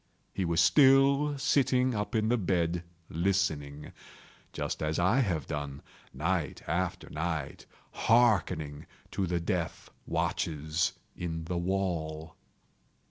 He was still sitting up in the bed listening;—just as I have done, night after night, hearkening to the death watches in the wall.